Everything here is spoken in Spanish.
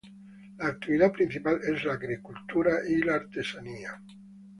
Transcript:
La actividad principal es la agricultura y la artesanía.